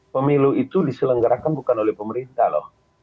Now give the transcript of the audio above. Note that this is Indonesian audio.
pemilu itu diselenggarakan bukan oleh pemerintah loh